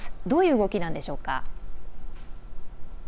どういう動きなんでしょうか。